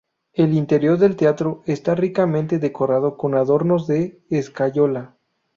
El interior del teatro está ricamente decorado con adornos de escayola.